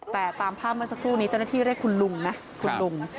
แต่ตามภาพเมื่อสักครู่นี้เจ้าหน้าที่เรียกคุณลุงนะคุณลุง